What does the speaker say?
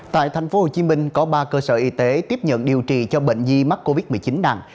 tại thành phố hồ chí minh có ba cơ sở y tế tiếp nhận điều trị cho bệnh nhi mắc covid một mươi chín nặng